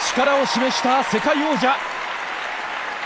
力を示した世界王者！